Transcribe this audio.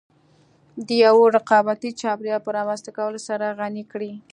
د يوه رقابتي چاپېريال په رامنځته کولو سره غني کړې.